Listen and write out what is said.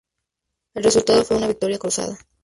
El resultado fue una victoria cruzada.